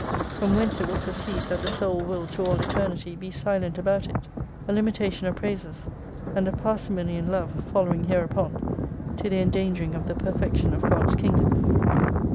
From whence it will proceed, that the soul will to all Eternity be silent about it. A limitation of praises, and a parsi mony in love following hereupon, to the endangering of the perfection of God's Kingdom.